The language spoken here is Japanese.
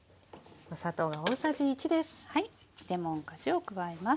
はいレモン果汁を加えます。